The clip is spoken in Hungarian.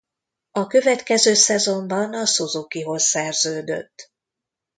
A következő szezonban a Suzukihoz szerződött.